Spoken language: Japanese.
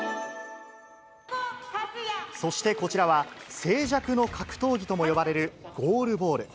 そして、こちらは静寂の格闘技とも呼ばれるゴールボール。